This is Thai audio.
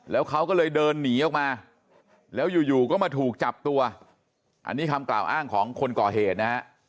แล้วเขาก็เลยเดินหนีออกมาแล้วอยู่ก็มาถูกจับตัวอันนี้คำกล่าวอ้างของคนก่อเหตุนะฮะ